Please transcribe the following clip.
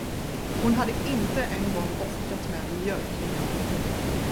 Hon hade inte en gång orkat med mjölkningen.